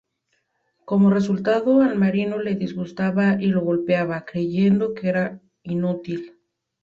Como resultado, al marino le disgustaba y lo golpeaba, creyendo que era inútil.